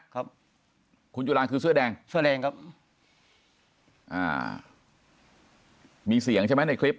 ครับคุณจุลานคือเสื้อแดงเสื้อแดงครับอ่ามีเสียงใช่ไหมในคลิป